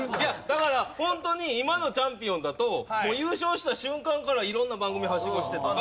だからホントに今のチャンピオンだと優勝した瞬間から色んな番組をはしごしてとか。